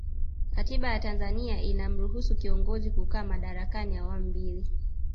katiba ya tanzania inamruhusu kiongozi kukaa madarakani awamu mbili